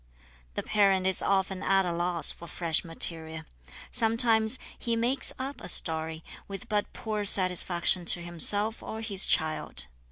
The parent is often at a loss for fresh material. Sometimes he "makes up" a story, with but poor satisfaction to himself or his child.